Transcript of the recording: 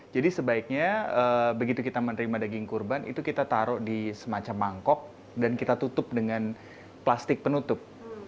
jadi sebaiknya begitu kita menerima daging kurban itu kita taruh di semacam mangkok dan kita tutup dengan plastik penutup